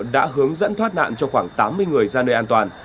đã hướng dẫn thoát nạn cho khoảng tám mươi người ra nơi an toàn